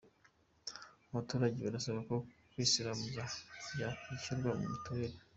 Abaturage barasaba ko kwisiramuza byakwishyurwa na mitiweli